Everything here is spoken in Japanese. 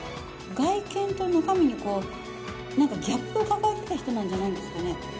外見と中身の何かギャップを抱えていた人なんじゃないですかね。